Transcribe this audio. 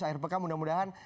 seakhir pekan mudah mudahan